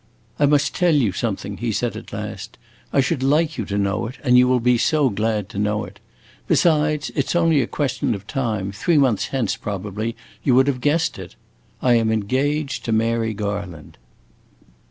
"I must tell you something," he said at last. "I should like you to know it, and you will be so glad to know it. Besides, it 's only a question of time; three months hence, probably, you would have guessed it. I am engaged to Mary Garland."